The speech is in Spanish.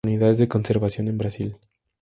Unidades de Conservación en Brasil